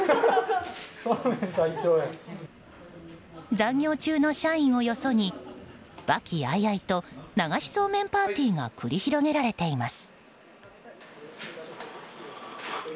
残業中の社員をよそに和気あいあいと流しそうめんパーティーが繰り広げられています。